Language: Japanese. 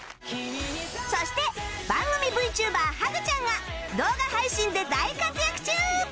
そして番組 ＶＴｕｂｅｒ ハグちゃんが動画配信で大活躍中！